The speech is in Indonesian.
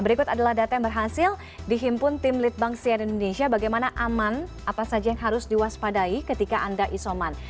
berikut adalah data yang berhasil dihimpun tim litbang sian indonesia bagaimana aman apa saja yang harus diwaspadai ketika anda isoman